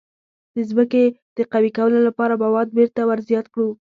د ځمکې د قوي کولو لپاره مواد بیرته ور زیات کړو.